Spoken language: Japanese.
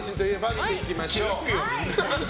見ていきましょう。